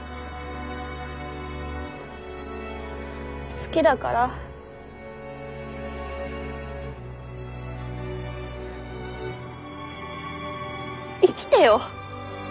好きだから生きてよ